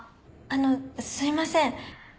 あのすいません。